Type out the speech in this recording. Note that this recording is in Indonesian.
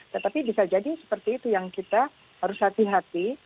tetapi bisa jadi seperti itu yang kita harus hati hati